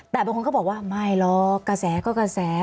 แต่บางคนก็บอกว่าไม่หรอกกระแสก็กระแส